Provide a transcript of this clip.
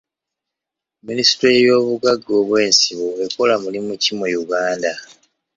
Minisitule y'obugagga obw'ensibo ekola mulimu ki mu Uganda?